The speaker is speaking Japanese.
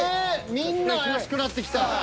みんな怪しくなってきた。